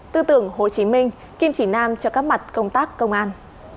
tư tưởng hồ chí minh kim chỉ nam cho các mặt công tác công an